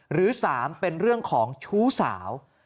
หรือ๓เป็นเรื่องของชู้สาว